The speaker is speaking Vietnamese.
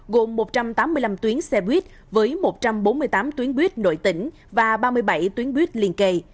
gồm một trăm tám mươi năm tuyến xe buýt với một trăm bốn mươi tám tuyến buýt nội tỉnh và ba mươi bảy tuyến buýt liên kề